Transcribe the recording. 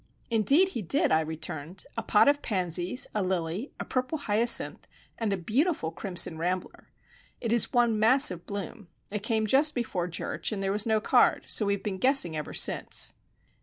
"Indeed he did," I returned; "a pot of pansies, a lily, a purple hyacinth, and a beautiful crimson rambler. It is one mass of bloom. It came just before church, and there was no card, so we have been guessing ever since."